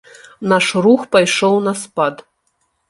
Наш рух пайшоў на спад.